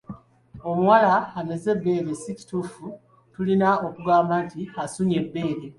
Omuwala ameze ebbeere si kituufu, tulina kugamba nti asunye ebbeere.